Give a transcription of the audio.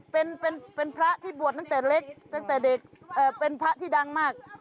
เป็นพระที่บวชตั้งแต่เล็กตั้งแต่เด็กเป็นพระที่ดังมาก